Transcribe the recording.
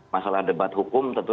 masalah debat hukum tentu